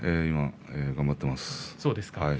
頑張っています。